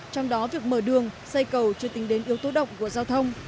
trong đó việc mở đường xây cầu chưa tính đến yếu tố động của giao thông